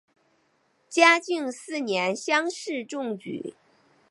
嘉靖四年乡试中举。